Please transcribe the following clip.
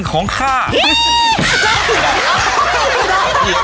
พ่มโผออกมาจากฉาก